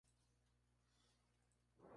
Al caer el sol, tiene lugar el baile popular.